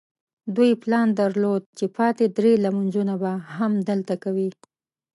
دوی پلان درلود چې پاتې درې لمونځونه به هم دلته کوي.